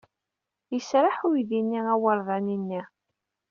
Yesraḥ uydi-nni awerdani-nni.